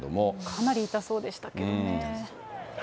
かなり痛そうでしたけどね。